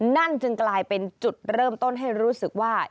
นั่นจึงกลายเป็นจุดเริ่มต้นให้รู้สึกว่า